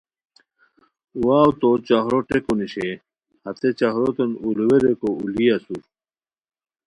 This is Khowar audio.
واؤ تو چاخرو ٹیکو نیشے ہتے چاخروتین اولووے ریکو اولی اسور